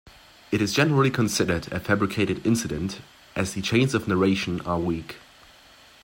It is generally considered a fabricated incident as the chains of narration are weak.